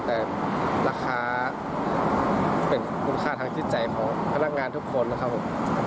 แต่ราคาเป็นคุณค่าทางจิตใจของพนักงานทุกคนนะครับผม